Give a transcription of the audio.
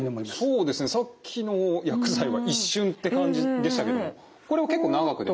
そうですねさっきの薬剤は一瞬って感じでしたけどこれは結構長く出ますね。